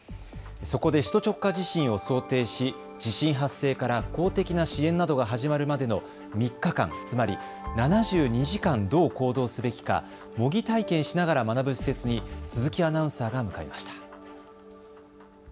そこで首都直下地震を想定し地震発生から公的な支援などが始まるまでの３日間、つまり７２時間どう行動すべきか模擬体験しながら学ぶ施設に鈴木アナウンサーが向かいました。